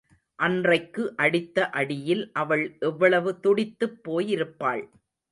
அன்றைக்கு அடித்த அடியில் அவள் எவ்வளவு துடித்துப் போயிருப்பாள்.